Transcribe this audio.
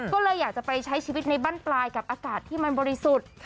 ก็เลยอยากจะไปใช้ชีวิตในบ้านปลายกับอากาศที่มันบริสุทธิ์